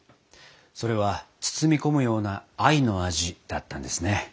それは包み込むような愛の味だったんですね。